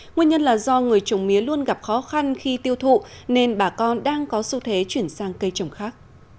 nguyên nhân là do người trồng mía luôn gặp khó khăn khi tiêu thụ nên bà con đang có xu thế chuyển sang cây trồng khác